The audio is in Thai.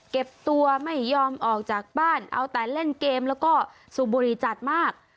เก็บตัวไม่ยอมออกจากบ้านเอาแต่เล่นเกมแล้วก็สูบบุรีจัดมาก